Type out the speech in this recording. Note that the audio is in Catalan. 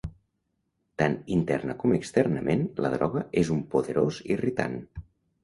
Tant interna com externament la droga és un poderós irritant.